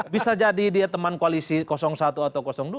bisa jadi dia teman koalisi satu atau dua